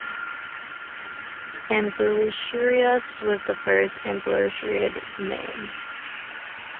"Abelisaurus" was the first abelisaurid named.